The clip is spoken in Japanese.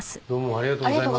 ありがとうございます。